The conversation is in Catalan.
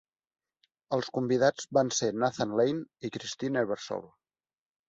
Els convidats van ser Nathan Lane i Christine Ebersole.